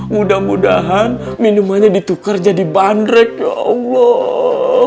mudah mudahan minumannya ditukar jadi bandrek ya allah